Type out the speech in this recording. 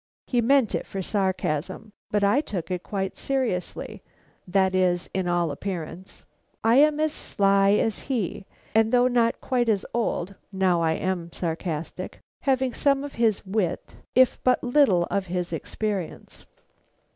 He meant it for sarcasm, but I took it quite seriously, that is to all appearance. I am as sly as he, and though not quite as old now I am sarcastic have some of his wits, if but little of his experience.